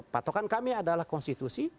patokan kami adalah konstitusi